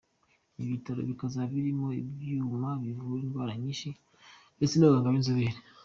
Ibi bitaro bikazaba birimo ibyuma bivura indwara nyinshi ndetse n’abaganga b’inzobere.